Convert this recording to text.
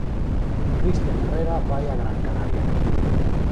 Cristian Herrera vai a Gran Canaria.